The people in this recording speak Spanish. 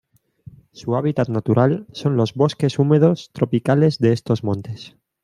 Su hábitat natural son los bosques húmedos tropicales de estos montes.